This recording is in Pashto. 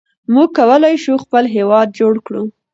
موږ کولای شو خپل هېواد جوړ کړو.